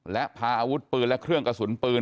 และพาอาวุธปืนและเครื่องกระสุนปืน